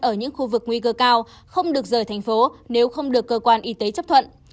ở những khu vực nguy cơ cao không được rời thành phố nếu không được cơ quan y tế chấp thuận